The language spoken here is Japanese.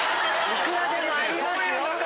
いくらでもありますよ。